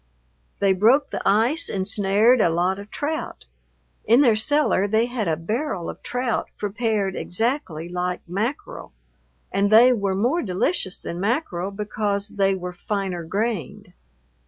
They broke the ice and snared a lot of trout. In their cellar they had a barrel of trout prepared exactly like mackerel, and they were more delicious than mackerel because they were finer grained.